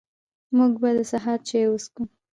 موږ به د سهار چاي وڅښو